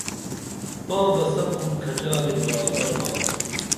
تاں بہ سپُن کھچالی برابر با